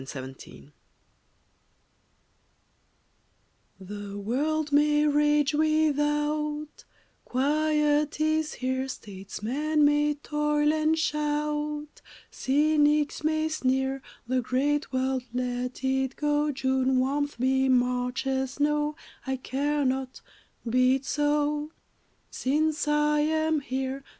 A Song of Rest. The world may rage without, Quiet is here; Statesmen may toil and shout, Cynics may sneer; The great world let it go June warmth be March's snow, I care not be it so Since I am here.